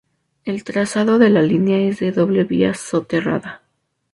El trazado de la línea es de doble vía soterrada.